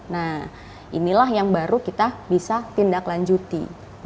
nah inilah yang baru kita bisa tindak lanjuti